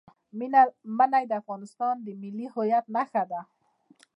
منی د افغانستان د ملي هویت نښه ده.